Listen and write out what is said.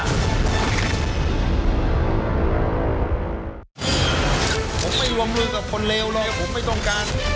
ผมไม่รวมรู้กับคนเลวเดียวผมไม่ต้องการ